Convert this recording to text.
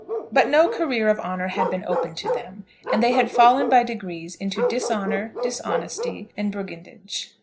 But no career of honour had been open to them, and they had fallen by degrees into dishonour, dishonesty, and brigandage.